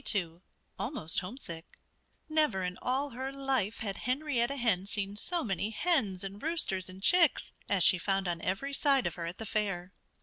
XXII ALMOST HOMESICK Never in all her life had Henrietta Hen seen so many hens and roosters and chicks as she found on every side of her, at the fair.